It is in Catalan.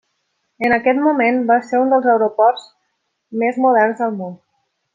En aquest moment, va ser un dels aeroports més moderns del món.